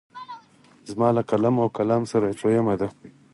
زما له قلم او کلام سره یې څویمه ده.